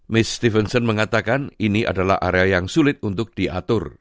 miss stevenson mengatakan ini adalah area yang sulit untuk diatur